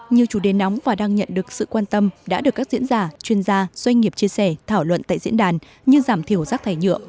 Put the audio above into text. nhiều chủ đề nóng và đang nhận được sự quan tâm đã được các diễn giả chuyên gia doanh nghiệp chia sẻ thảo luận tại diễn đàn như giảm thiểu rác thải nhựa